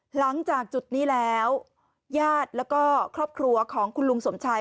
หลังจากจุดนี้แล้วญาติแล้วก็ครอบครัวของคุณลุงสมชัย